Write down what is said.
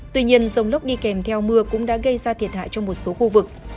tuy nhiên dông lốc đi kèm theo mưa cũng đã gây ra thiệt hại trong một số khu vực